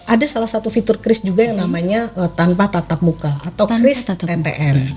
ada salah satu fitur kris juga yang namanya tanpa tatap muka atau kristal ntm